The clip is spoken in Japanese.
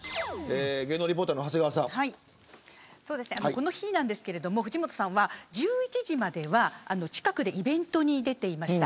この日なんですが藤本さんは１１時までは近くでイベントに出ていました。